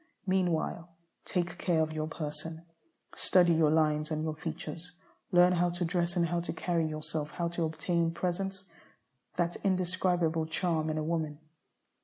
Meanwhile, take care of your person, study your lines and your features, and learn how to dress and how to carry yourself; how to obtain "presence," that indescribable charm in woman.